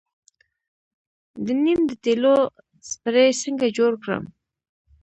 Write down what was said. د نیم د تیلو سپری څنګه جوړ کړم؟